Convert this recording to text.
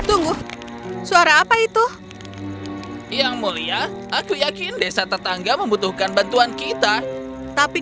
anastasia ditemani oleh prajuritnya yang paling terpercaya setelah melintasi pegunungan dan lautan